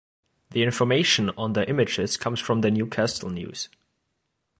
The information on the images comes from the New Castle News.